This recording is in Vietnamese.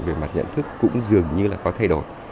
về mặt nhận thức cũng dường như là có thay đổi